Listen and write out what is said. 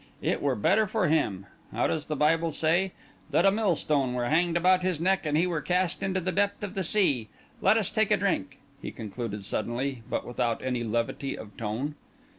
It were better for him—how does the Bible say?—that a millstone were hanged about his neck and he were cast into the depth of the sea. Let us take a drink," he concluded suddenly, but without any levity of tone.